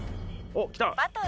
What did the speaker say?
おっ来た。